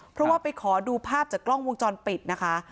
เพราะว่าไปขอดูภาพจากกล้องวงจรปิดนะคะ